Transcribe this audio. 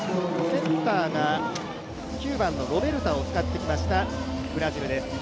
セッターが９番のロベルタを使ってきました、ブラジルです。